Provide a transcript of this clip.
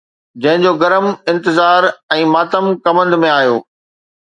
جنهن جو گرم انتظار ۽ ماتم ڪمند ۾ آيو